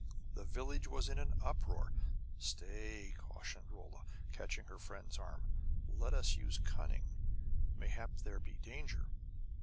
The village was in an uproar. "Stay!" cautioned Rolla, catching her friend's arm. "Let us use cunning! Mayhap there be danger!"